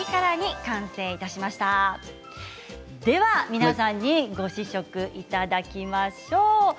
皆さんにご試食いただきましょう。